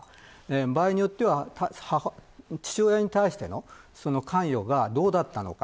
場合によっては父親に対しての関与がどうだったのか。